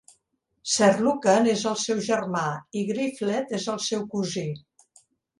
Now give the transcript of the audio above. Sir Lucan és el seu germà i Griflet és el seu cosí.